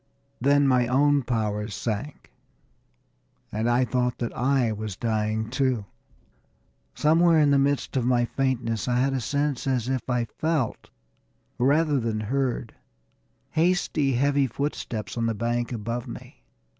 Then my own powers sank, and I thought that I was dying, too. Somewhere in the midst of my faintness I had a sense as if I felt, rather than heard, hasty, heavy footsteps on the bank above me.